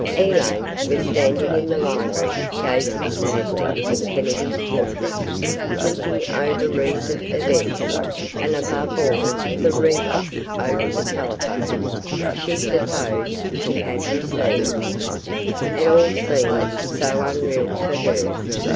........ Elaine was standing in the library gazing sadly at Kennedy's portrait, thinking over recent events and above all the rebuff over the telephone which she supposed she had received. It all seemed so unreal to her.